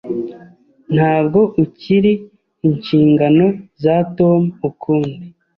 Ntabwo ukiri inshingano za Tom ukundi.